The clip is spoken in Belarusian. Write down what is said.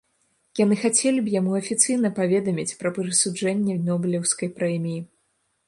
Яны хацелі б яму афіцыйна паведаміць пра прысуджэнне нобелеўскай прэміі.